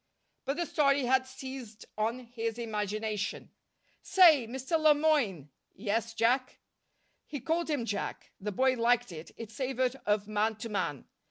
But the story had seized on his imagination. "Say, Mr. Le Moyne." "Yes, Jack." He called him "Jack." The boy liked it. It savored of man to man.